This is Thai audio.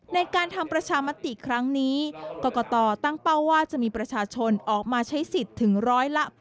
ในการทำประชามติครั้งนี้กรกตตั้งเป้าว่าจะมีประชาชนออกมาใช้สิทธิ์ถึง๑๘๐